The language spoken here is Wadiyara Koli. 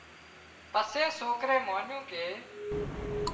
پسي سوڪري مانيون ڪي